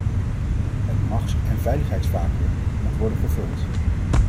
Het machts- en veiligheidsvacuüm moet worden gevuld.